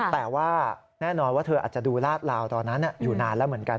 แต่ว่าแน่นอนว่าเธออาจจะดูลาดลาวตอนนั้นอยู่นานแล้วเหมือนกัน